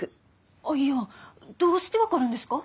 アイヤーどうして分かるんですか？